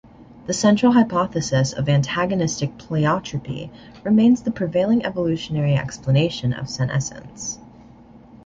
The central hypothesis of antagonistic pleiotropy remains the prevailing evolutionary explanation of senescence.